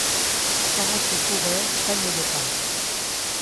Quarante-huit coureurs prennent le départ.